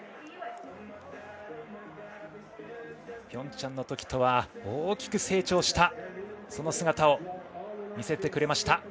ピョンチャンのときとは大きく成長したその姿を見せてくれました。